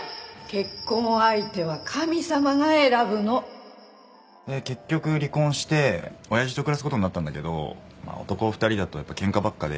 結婚相手は神様が選ぶの。で結局離婚しておやじと暮らす事になったんだけどまあ男２人だとやっぱ喧嘩ばっかで。